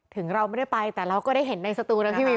ถึงเราไม่ได้ไปแต่เราก็ได้เห็นในสตูนะพี่วิว